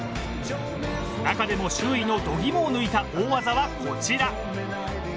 中でも周囲のどぎもを抜いた大技はこちら。